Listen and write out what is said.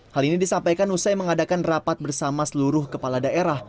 hal ini disampaikan usai mengadakan rapat bersama seluruh kepala daerah